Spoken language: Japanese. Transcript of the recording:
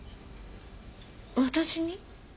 私に？